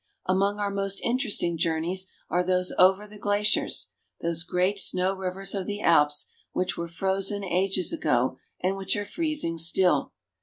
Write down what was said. Among our most interesting journeys are those over the glaciers, those great snow rivers of the Alps which were frozen ages ago and which are freezing still.